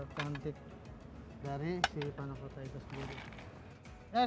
cantik dari si panakota itu sendiri